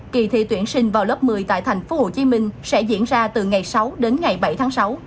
kỳ thi tuyển sinh vào lớp một mươi tại tp hcm sẽ diễn ra từ ngày sáu đến ngày bảy tháng sáu